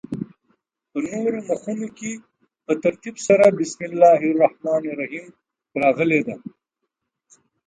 په نورو مخونو کې په ترتیب سره بسم الله الرحمن الرحیم راغلې ده.